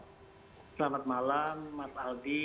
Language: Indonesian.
selamat malam mas aldi